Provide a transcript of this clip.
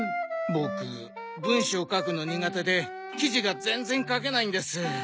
ボク文章書くの苦手で記事が全然書けないんです。